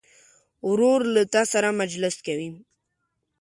ورور له تا سره مجلس کوي.